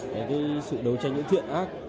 những cái sự đấu tranh những thiện ác